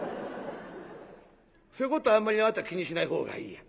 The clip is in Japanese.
「そういうことあんまりあなた気にしないほうがいいや。